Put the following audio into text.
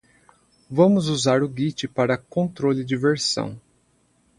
Vamos usar o Git para controle de versão.